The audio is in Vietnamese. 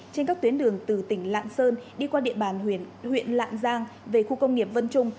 trên các tuyến đường từ tỉnh lạng sơn đi qua địa bàn huyện lạng giang về khu công nghiệp vân trung